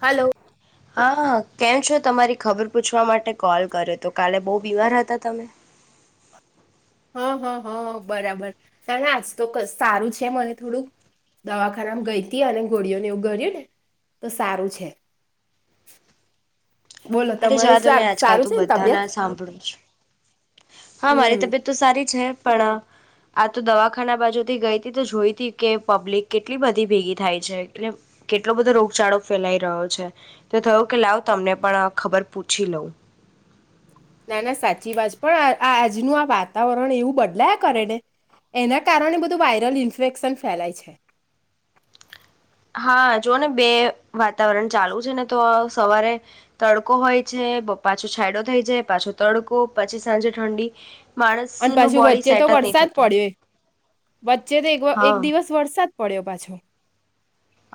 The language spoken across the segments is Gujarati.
હલો. હા કેમ છો તમારી ખબર પૂછવા માટે કોલ કર્યો તો કાલે બહુ બીમાર હતા તમે? હા હં હા બરાબર, ત આજ તો સારું છે મને થોડુંક, દવાખાનામાં ગઈતી અને ઘોળિઓને એવું ગર્યું ને, તો સારું છે. બોલો અરે તમારું જાતો ને સા- આજકાલ સારું છે તું ને બધા તબિયત ના સાંભળું છ. હા મારી હમ તબિયત તો સારી છે. પણ, આ તો દવાખાના બાજુથી ગઈ હતી તો જોઈતી કે પબ્લિક કેટલી બધી ભેગી થાય છે, એટ કેટલો બધો રોગચાળો ફેલાઈ રહ્યો છે તો થયયુ કે લાવ તમને પણ ખબર પૂછી લઉં. ના ના સાચી વાત પણ આજનું આ વાતાવરણ એવું બદલાયા કરે ને, એના કારણે બધું વાયરલ ઇન્ફેક્શન ફેલાય છે. હા જો ને બે વાતાવરણ ચાલુ છે ને તો સવારે, તડકો હોય છે પાછો છાયડો થઈ જાય પાછો તડકો પછી સાંજે ઠંડી. અને માણસનું પાછી બોડી વચ્ચે તો સેટ જ નહી વરસાદ થતું પડ્યો, વચ્ચે તો એક હા દિવસ વરસાદ પડ્યો પાછો.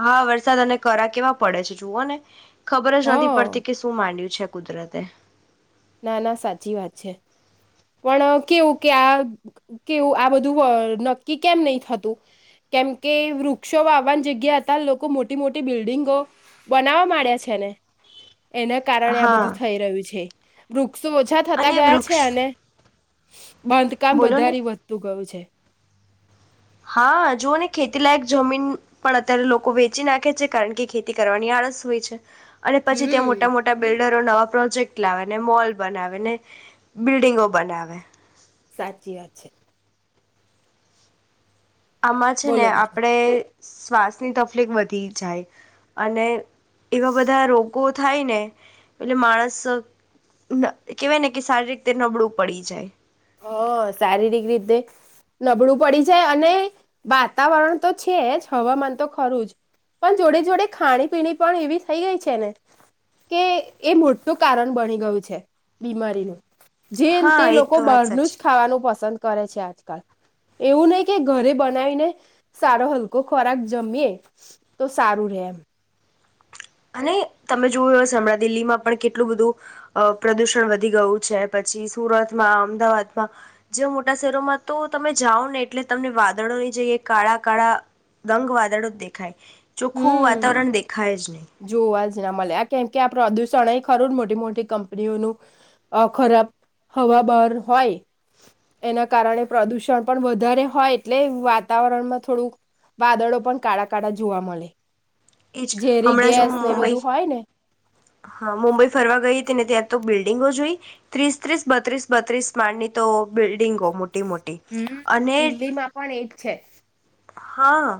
હા વરસાદ અને કરા કેવા પડે છે જુઓ ને. ખબર જ હ નથી પડતી કે શું માંડ્યું છે. કુદરત ના ના સાચી વાત છે પણ કેવું કે આ કેવું આ બધું નક્કી કેમ નહી થતું કેમ કે વૃક્ષો આવવાની જગ્યા હતા લોકો મોટી મોટી બિલ્ડિંગો બનાવવા માંડ્યા છે ને એના કારણે આ હા બધું થઈ રહ્યું છે રુક વૃક્ષો ઓછા થતા અને ગયા છે વૃક્ષ અને બાંધકામ બોલો ને વધારે વધતું ગયું છે હા જુઓ ને ખેતી લાયક જમીન પણ અત્યારે લોકો વેચી નાખે છે કારણ કે ખેતી કરવાની આળસ હોય છે અને પછી ત્યાં હમ મોટા મોટા બિલ્ડ ડરો નવા પ્રોજેક્ટ લાવે ને મોલ બનાવેને બિલ્ડિંગો બનાવે સાચી વાત છે આમાં છે ને બોલો બીજું આપડે શ્વાસની તકલીફ વધી જાય અને એવા બધા રોગ ગો થાય ને એટલે માણસ કહેવાય ને કે શારીરિક રીતે નબળું પડી જાય હ શારીરિક રીતે નબળું પડી જાય અને વાતાવરણ તો છે જ હવામાન તો ખરું જ પણ જોડે જોડે ખાણી પીણી પણ એવી થઈ ગઈ છે ને કે એ મોટું કારણ બની ગયું છે બીમારીનું જેન તે હા લોકો એ લોકો તો બાર વાત નું જ સાચી ખાવાનું પ પસંદ કરે છે આજકાલ એવું નહી કે ઘરે બનાવીને સારો હલકો ખોરાક જમીએ તો સારું રે એમ અને તમે જોવું એ હમણાં દિલ્હીમાં પણ કેટલું બધું પ્રદૂષણ વધી ગયું છે પછી સુરતમાં અમદાવાદમાં જે મોટા શહેરોમાં તો તમે જાઓ ને એટલે તમને વાદળોની જગએ કાળા કાળા દંગ વાદળો જ દેખાય ચોખ્ખું હમ વાતાવરણ દેખાય જ નહી જોવા જ ના મળે આ કેમ કે આ પ્રદુષણ એ ખરું મોટી મોટી કંપનીઓનું ખરાબ હવા બહાર હોય એના કારણે પ્રદુષણ પણ વધારે હોય એટલે વાતાવરણમાં થોડું વાદળો પણ કાળા કાળા જોવા મળે એ જ ઝેરી હણા ગેસ ને એ બધું હોય ને હા મુુંબઈ ફરવા ગઇને ત્યાં તો બિલ્ડિંગો જોઈ ત્રીસ ત્રીસ બત્રીસ બત્રીસ માળની તો બ બિલ્ડીંગો મોટી મોટી હમ અને દિલ્હીમાં પણ એજ છે હા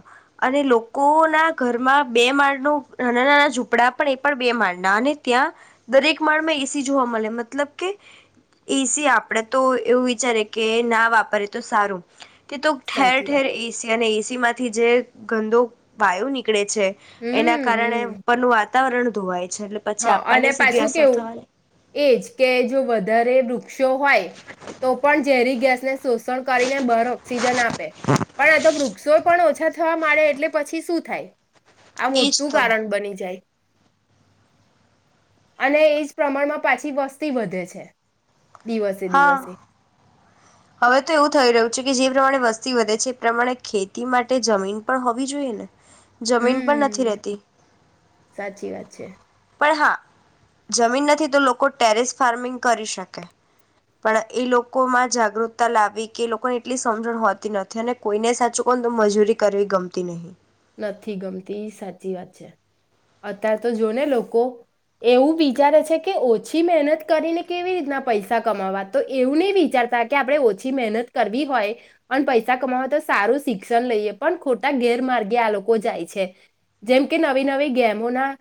અને લોકો ના ઘરમાં બે માળ ન નાના નાના ઝૂંપડા પણ એ પણ બે માળના અને ત્યાં દરેક માળમાં એસી જોવા મળે મતલબ કે એસી આપડે તો એવું વિચારે કે ના વાપરે તો સારું તે તો ઠેર સાચી ઠેર વાત તને એસી માંથી જે ગંદો વાયો નીકળે છે એના હમ કારણે હમ પણ વાતા વાતાવરણ ધોવાય છે એટલે પછી હા આપણને અને સીધી પાછું અસર કેવું, થવાની એજ કે જો વધારે વૃ ક્ષો હોય તો પણ ઝેરી ગેસને શોષણ કરીને ભાર ઓક્સિજન આપે પણ તો વૃક્ષો પણ ઓછા થવા માડે એટલે પછી શું થાય? આ એજ મોટું તો ગારણ બની જાય. અને એજ પ્રમાણમાં પાછી વસ્તી વધે છે દિવસે હા દિવસે. હવે તો એવું થઈ રહ્યું છે કે જે પ્રમાણે વસ્તી વધે છે એ પ્રમાણે ખેતી માટે જમીન પણ હોવી જોઈએ ને. જમીન પણ નથી હમ રેતી. સાચી વાત છે પણ હા જમીન નથી તો લોકો ટેરેસ ફાર્મિંગ કરી શકે પણ એ લોકો માં જાગૃતતા લાવવી કે એ લોકોને એટલી સમજણ હોતી નથી અને કોઈને સાચું કોને તો મજૂરી કરવી ગમતી નહી. નથી ગમતી સાચી વાત છે. અત્યારે તો જો ને લોકો એવું વિચારે છે કે ઓછી મહેનત કરીને કેવી રીતના પૈસા કમાવા તો એવું નહી વિચારતા કે આપડે ઓછી મહેનત કરવી હોય અને પૈસા કમાવવા તો સારું શિક્ષણ લઈએ પણ ખોટા ગેરમાર્ગે ગે કે આ લોકો જાય છે જેમ કે નવી નવી ગેમો ના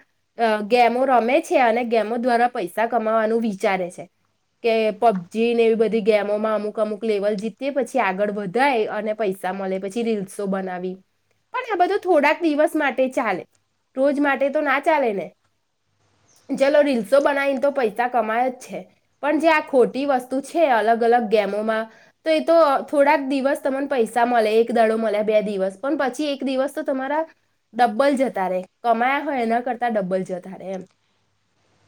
અહ ગેમો રમે છે અને ગેમો દ્વારા પૈસા કમાવાનું વિચારે છે કે પબ જી ને એવી બધી ગેમોમાં અમુક અમુક લેવલ જીતી પછી આગળ વધાય અને પૈસા મલે પછી રીલ્સો બનાવી પણ આ બધું થોડાક દિવસ માટે ચાલે રોજ માટે તો ના ચાલે ને ચલો રીલ્સો બનાવીને તો પૈસા કમાય જ છે. પણ જે આ ખોટી વસ્તુ છે અલગ અલગ ગેમોમાં તો એ તો થોડાક દિવસ તમને પૈસા મળે એક દડો મળે બે દિવસ પણ પછી એક દિવસ તો તમારા ડબ્બલ જતા રહેે કમાયા હોય એના કરતા ડબ્બલ જતા રહેે એમ.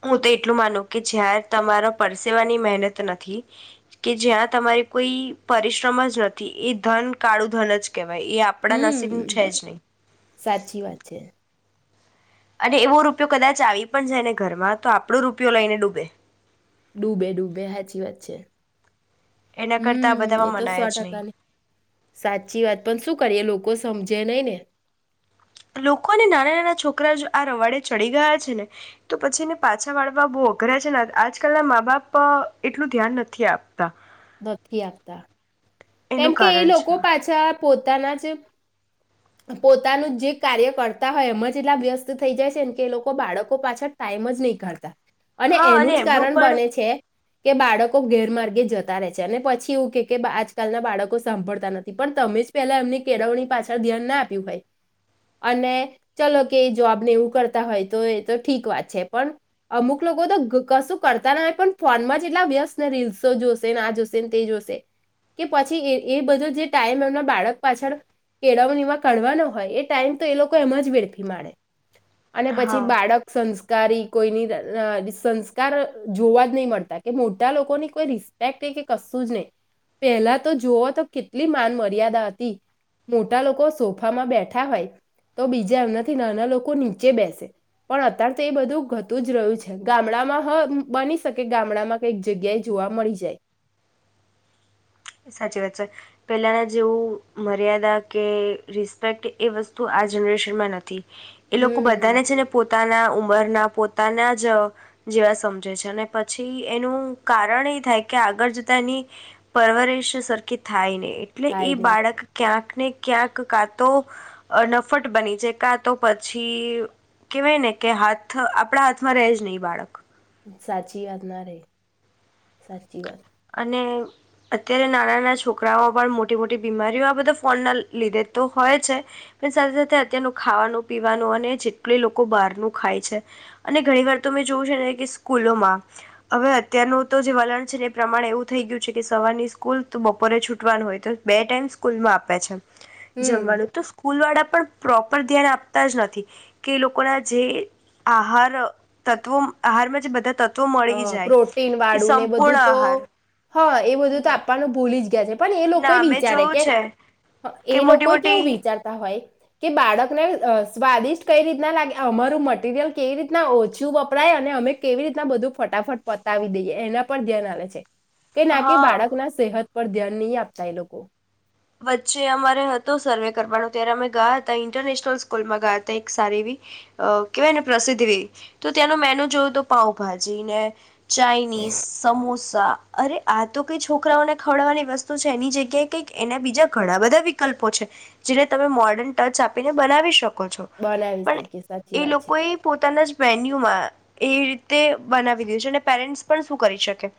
હું તો એટલું માનું કે જ્યાં તમારા પરસેવાની મહેનત નથી કે જ્યાં તમારી કોઈ પરિશ્રમ જ નથી એ ધન કાળુ ધન જ કેહે વાય એ આપડા નસીબનું હમ છે જ નહી. સાચી વાત છે અને એવો રૂપિયો કદાચ આવી પણ જાય ને ઘરમાં તો આપણો રૂપિયો લઈને ડૂબે. ડૂબે ડૂબે હાચી વાત છે. એના કરતાં આ હમ્મ, બધામાં એતો સો મનાય જ નહીં ટકાની સાચી વાત પણ શું કરીએ એ લોક કો સમજે નહી ને. લોકો ને નાના નાના છોકરા જો આ રવાડે ચડી ગયા છે ને તો પછીને પાછા વાળવા બહુ અઘરા છે ને આજકાલના મા બાપ એટલું ધ્યાન નથી આપતા. ધકી આપતા એનું કેમ કે એ કારણ છે લોકો પાછા પોતાના જ પોતાનું જે કાર્ય કરતા હોય એમ જ એટલા વ્યસ્ત થઈ જાય છે ને કે એ લોકો બાળકો પાછળ ટાઈમ જ નહીં કાઢતા. અને હા એનું જ એમનું કારણ પણ બને છે કે બાળકો ગેરમાર્ગે જતા રહે છે અને પછી એવું કે કે આજ આકાલના બાળકો સાંભળતા નથી પણ તમે જ પેલા એમની કેળવણી પાછળ ધ્યાન ના આપ્યું ભાઈ અને ચલો કે જોબ ને એવું કરતા હોય તો એ તો ઠીક વાત છે પણ અમુક લોકો તો ગ કશું કરતા ના હોય પણ ફોન માં જ એટલા વ્યસ્ત ને રીલ્સો જોશે ને આ જોશે ને તે જોશે કે પછી એ એ બધો જે ટાઈમ એમના બાળક પાછળ કેળવવા એવા કનો હોય એ ટાઈમ તો એ લોકો એમ જ વેડફી માડે. અને પછી હા બાળક સંસ કારી કોઈની ર રી સંસ્કાર જોવા જ નહી મળતા કે મોટા લોકોની કોઈ રિસ્પેક્ટ કે કશું જ નહી. પહેલા તો જોુવ તો કેટલી માન મર્યાદા હતી મોટા લોકો સોફામાં બેઠા હોય તો બીજા એમનાથી નાના લોકો નીચે બેસે પણ અત્યારે તો એ બધું ઘતું જ રહ્યું છે ગામડામાં હ બાની શકે ગામડામાં કઈક જગ્યાએ જોવા મળી જાય. સાચી વાત છે પહેલાંના જેવું મર્યાદા કે રિસ્પેક્ટ એ વસ્તુ આ જનરેશનમાં નથી. એ લોકો હમ બધાને છે ને પોતાના ઉ બર ના પોતાના જ જેવા સમજે છે અને પછી એનું કારણ એ થાય કે આગળ જતા એની પરવરે રિશ સરખી થાય નહી. એટલે એ થાય નહીં, બાળક ક્યાંક ને ક્યાંક કા તો અહ નફટ બની જાય કા તો પછી કેવાય ને કે હાથ આપડા હાથમાં રહે જ નહી બાળક. સાચી વાત ના રહે સાચી વાત. અને અત્યારે નાના નાના છોકરાઓ પણ મોટી મોટી બીમારીઓ આ બધા ફોન ના લીધે તો હોય છે પણ સાથે સાથે અત્યારનું ખાવાનું પીવાનું અને જેટલું લોકો બહારનું ખાય છે અને ઘણી વાર તો મેં જોવું છે ને કે સ્કૂલોમાં હવે અત્યારનું તો જે વલણ છે ને પ્રમાણ એવું થઈ ગયું છે કે સવારની સ્કૂલ તો બપોરે છૂટવાનું હોય તો બે ટાઈમ સ્કૂલમાં આપે છે. હમ જમવાનું તો સ્કૂલ વાળા પ્રોપર ધ્યાન આપતા જ નથી કે લોકોના જે આહાર તત્વ આહારમાં જે બધા તત્વ હ પ્રોટીન વાળું ને બધું તો આહાર હા એ બધું તો ના આપવાનું ભૂલી જ [unintelligible] પણ એ લોકો ના મેં વિચારે જોયું કે છે કે એ મોટી લોકો મોટી કેવું વિચારતા હોય કે બાળકને સ્વાદિષ્ટ કઈ રીતના લાગે અમારું મટીરિયલ કેવી રીતના ઓછું વપરાય અને અમે કેવી રીતના બધું ફટાફટ પતાવી દઈએ એના પર ધ્યાન આવે છે કે ના કે હા બાળક ના સેહત પર ધ્યાન નહી આપતા એ લોકો વચ્ચે અમારે હતો સર્વે કરવાનો ત્યારે અમે ગયા હતા ઇન્ટરનેશનલ સ્કૂલમાં ગયા હતા એક સારી એવી કેહેવાય ને પ્રસિદ્ધ એ તો ત્યાંનો મેન્યુ જોવું તો પાઉભાજી ને ચાાઈનીઝ સમોસા અરે આ તો કઈ છોકરાઓને ખવડવાની વસ્તુ છે એની જગ્યાએ કઈક એના બીજા ઘણા બધા વિકલ્પો છે જેને તમે મોર્ડર્ન ટચ આપીને બનાવી શકો બનાવી શકીએ સાચી એ વાત છે લોકો એ પોતાના જ મેન્યુ એ રીતે બનાવી દે છે અને પેરેન્ટ્ પણ શું કરી શકે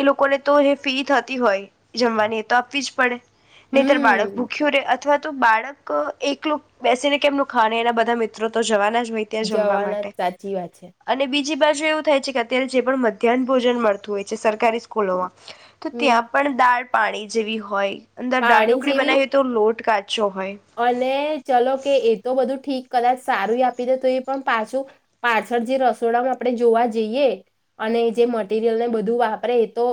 એ લોકોને તો એ ફી થતી હોય જમવાની એ તો આપવી જ પડે નીતર બાળક હમ ભૂખ્યું ર અથવા તો બાળક એકલો બેસીને કેમનું ખાણે એના બધા મિત્રો તો જવાના જ હોય ત્યાં જમવા જવાના માટે સાચી વાત છે અને બીજી બાજુ એવું થાય છે કે અત્યારે જે પણ મધ્યાહન ભોજન મળતું હોય છે સરકારી સ્કૂલોમાં તો હમ ત્યાં પણ દાળ પાણી જેવી હોય અંદર પાણી ડાઢકડી જેવી બનાવીય તો લોટ કાચ અને ચલો કે એ તો બધું ઠીક કદાચ સારું આપી દે તો એ પણ પાછું પાછળ જે રસોડા આપણે જોવા જઈએ અને જે મટીરિયલ ને બધું વાપરે એ તો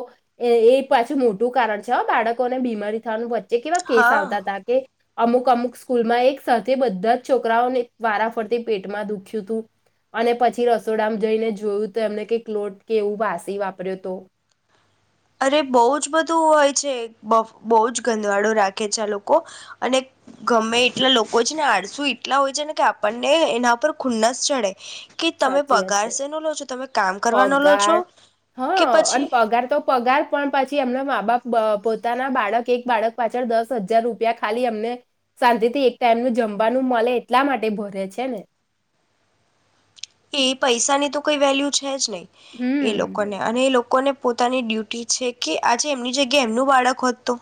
એ પાછું મોટું કારણ છે હ બાળકોને બીમારી થવાનું જે કેવા કેસ હા આવતા હતા કે અમુક અમુક સ્કૂલમાં એક સાથે બધા જ છોકરાઓને વારા ફરતી પેટમાં દુખ્યું હતું અને પછી રસોડામ જઈને જોયું તો એમને કે ક્લોટ કે એવું વાસી વાપર્યો હતો અરે બહુ જ બધું હોય છે બ બહુ જ ગંદવાળો રાખે છે આ લોકો અને ગમે એટલા લોકો છે ને આળસુ એટલા હોય છે ને કે આપણને એના પર ખુન્નસ ચડે કે તમે સાચી વાત પગાર છે સનો લો છો તમે કામ કરવાનો લો પગાર છો કે હા અને પછી પગાર તો પગાર પણ પછી એમના મા બાપ પોતાના બાળક એક બાળક પાછળ દસ હજાર રૂપિયા ખાલી અમને શાંતિથી એક ટાઈમનું જમવાનું મળે એટલા માટે ભરે છે ને એ પૈસાની તો કોઈ વેલ્યુ છે જ નહી એ હમ લોકોને અને એ લોકો લોકોને પોતાની ડ્યુટી છે કે આજે એમની જગ્યા એમનું બાળકત હોત તો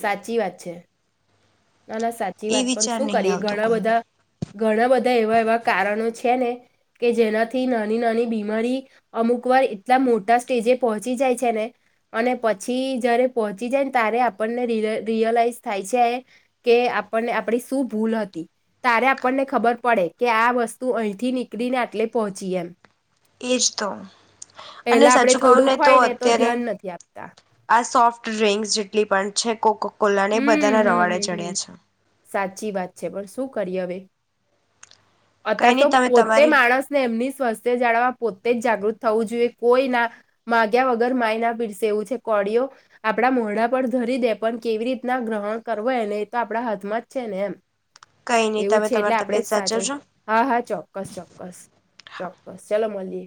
સાચી વાત છે ના ના સાચી એ વાત પણ વિચાર શું નહીં કરીએ આવતો ઘણા કોઈને બધા ઘણા બધા એવા એવા કારણો છે. છે ને કે જેનાથી નાની નાની બીમારી અમુક વાર એટલા મોટા સ્ટેજે પહોંચી જાય છે ને અને પછી જયારે પહોંચી જાય ને ત્યારે આપણને ર રિયલાઈઝ થાય છે એ. કે આપણને આપડી શું ભૂલ હતી તારે આપણને ખબર પડે કે આ વસ્તુ અહીંથી નીકળીને આટલે પહોંચી એમ. એજ તો. અને પેલા આપણે સાચુ કહુને થોડુંક તો હોય ને અત્યારે ધ્યાન નથી આપતા આ સોફ્ટ ડ્રિંકસ જેટલી પણ. છે કોક. હમ હમ સાચી વાત છે પણ શું કરીએ હવે. કઈ અત્યારે તો નહી તમે પોતે તમારી માણસને એમની સ્વાસ્થ્ય જાળવવા પો. તે જ જાગૃત થવું જોઈએ કોઈ ના માગ્યા વગર માય ના પીરસે એવું છે કોડીઓ આપડા મોઢડા પર ધરી દે પણ કેવી રીતના ગ્રહણ કરવો એને એ તો આપણા હાથમાં જ છે ને એમ. કઈ નઈ એવું તમે છે એટલે તમારી આપણેે તબિયત જ સાચવ સાચવું જો. હા હા ચોક્કસ ચોક્કસ ચોક્કસ ચાલો મળએ.